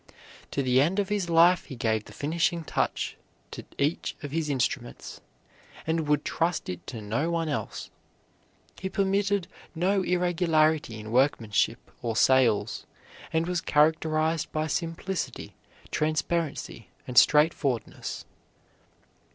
To the end of his life he gave the finishing touch to each of his instruments, and would trust it to no one else. He permitted no irregularity in workmanship or sales, and was characterized by simplicity, transparency, and straightforwardness.